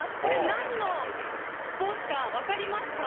何のスポーツか分かりますか？